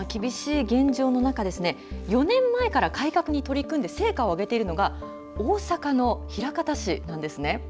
その厳しい現状の中４年前から改革に取り組んで成果を上げているのが大阪の枚方市なんですね。